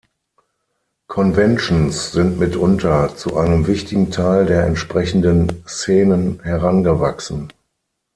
Conventions sind mitunter zu einem wichtigen Teil der entsprechenden Szenen herangewachsen.